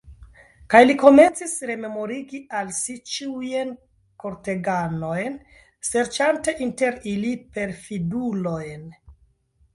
Kaj li komencis rememorigi al si ĉiujn korteganojn, serĉante inter ili perfidulojn.